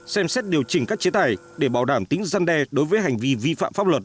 xem xét điều chỉnh các chế tài để bảo đảm tính gian đe đối với hành vi vi phạm pháp luật